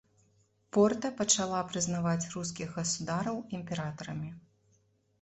Порта пачала прызнаваць рускіх гасудараў імператарамі.